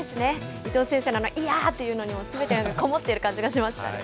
伊藤選手の、あの、いやーっていうのにも、すべてこもっている感じがしましたね。